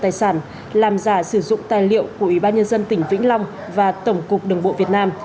tài sản làm giả sử dụng tài liệu của ủy ban nhân dân tỉnh vĩnh long và tổng cục đường bộ việt nam